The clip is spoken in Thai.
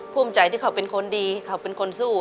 ภูมิใจที่เขาเป็นคนดีเขาเป็นคนสู้